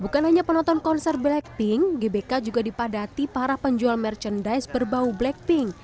bukan hanya penonton konser blackpink gbk juga dipadati para penjual merchandise berbau blackpink